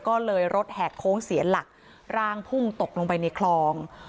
ก็เลยรถแหกโค้งเสียหลักร่างพุ่งตกลงไปในคลอง